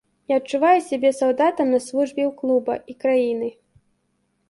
Я адчуваю сябе салдатам на службе ў клуба і краіны.